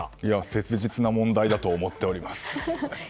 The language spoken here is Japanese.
切実な問題だと思っております。